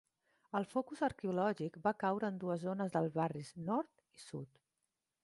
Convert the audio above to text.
El focus arqueològic va caure en dues zones dels barris nord i sud.